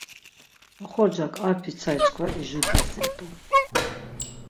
Oxorcak ar pitsari çkva ijudvasint̆u.